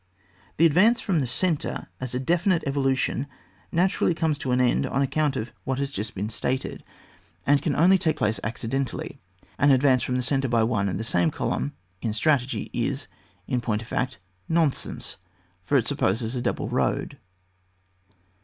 The advance from the centre as a de finite evolution naturally comes to an end on account of what has just been stated, and can only take place accidentally. An advance frora the centre by one and the same column in strategy is, in point of fact, nonsense, for it supposes a double road.